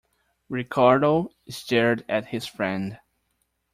Ricardo stared at his friend.